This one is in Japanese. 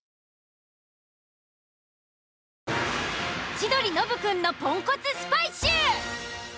千鳥ノブくんのポンコツスパイ集。